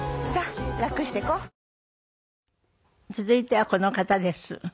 続いてはこの方です。